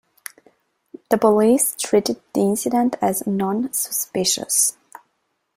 The police treated the incident as "non-suspicious".